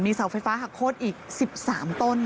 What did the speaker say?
เสาไฟฟ้าหักโคตรอีก๑๓ต้น